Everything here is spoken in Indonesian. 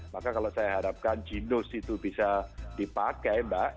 maka kalau saya harapkan jindus itu bisa dipakai mbak